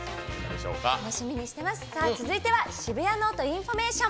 続いては「シブヤノオト・インフォメーション」。